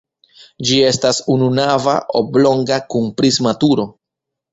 Ĝi estas ununava oblonga kun prisma turo.